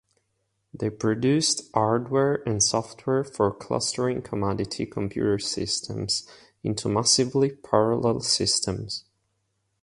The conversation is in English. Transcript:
They produced hardware and software for clustering commodity computer systems into massively parallel systems.